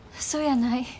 そやない。